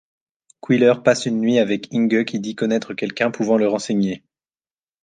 Quiller passe une nuit avec Inge qui dit connaître quelqu'un pouvant le renseigner.